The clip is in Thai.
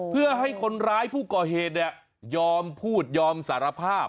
เพื่อให้คนร้ายผู้ก่อเหตุยอมพูดยอมสารภาพ